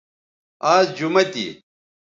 آز جمہ تھی